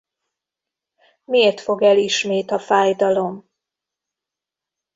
Miért fog el ismét a fájdalom?